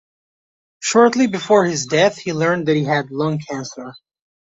Shortly before his death he learned that he had lung cancer.